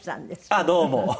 あっどうも。